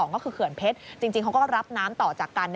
ก็คือเขื่อนเพชรจริงเขาก็รับน้ำต่อจากกัน